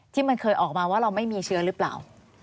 ที่มันเคยออกมาว่าเราไม่มีเชื้อหรือเปล่า